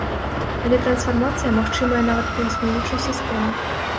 Але трансфармацыя магчымая нават пры існуючай сістэме.